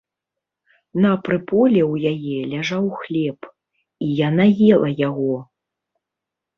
На прыполе ў яе ляжаў хлеб, і яна ела яго.